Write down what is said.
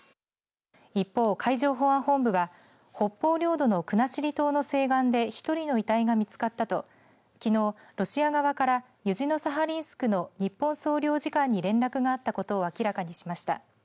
一方、海上保安本部は北方領土の国後島の西岸で１人の遺体が見つかったときのう、ロシア側からユジノサハリンスクの日本総領事館に連絡があったことを明らかにしました。